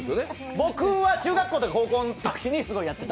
僕は中学校と高校のときにすごいやってた。